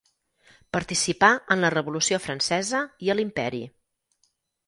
Participà en la revolució francesa i a l'Imperi.